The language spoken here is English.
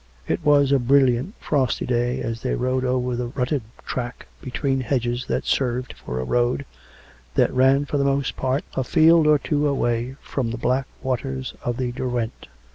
It was a brilliant frosty day, as they rode over the rutted track between hedges that served for a road, that ran, for the most part, a field or two away from the black waters of the Derwent.